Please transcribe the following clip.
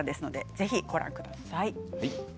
ぜひご覧ください。